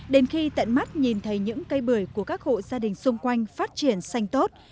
đến khi tận mắt nhìn thấy những cây bưởi của các hộ gia đình xung quanh phát triển xanh tốt